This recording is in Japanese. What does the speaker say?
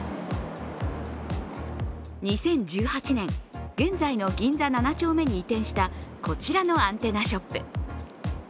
２０１８年、現在の銀座７丁目に移転したこちらのアンテナショップ。